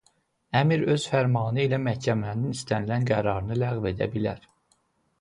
Əmir öz fərmanı ilə Məhkəmənin istənilən qərarını ləğv edə bilər.